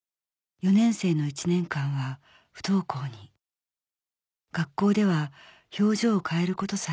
４年生の１年間は不登校に学校では表情を変えることさえできなかったのです